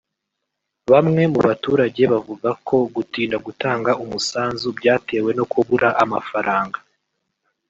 Bamwe mu baturage bavuga ko gutinda gutanga umusanzu byatewe no kubura amafaranga